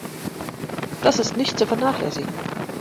Das ist nicht zu vernachlässigen.